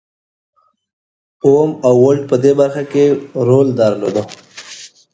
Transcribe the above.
اوم او ولټ په دې برخه کې رول درلود.